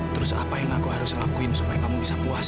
terus apa yang aku harus lakuin supaya kamu bisa puas